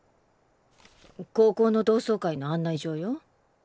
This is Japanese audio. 高校の同窓会の案内状よ。